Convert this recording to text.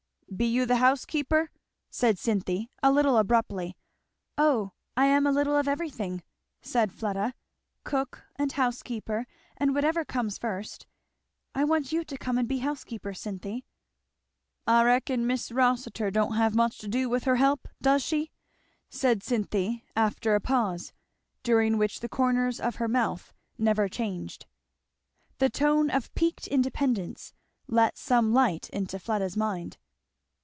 "Be you the housekeeper?" said Cynthy a little abruptly. "O I am a little of everything," said Fleda; "cook and housekeeper and whatever comes first. I want you to come and be housekeeper, Cynthy." "I reckon Mis' Rossitur don't have much to do with her help, does she?" said Cynthy after a pause, during which the corners of her mouth never changed. The tone of piqued independence let some light into Fleda's mind.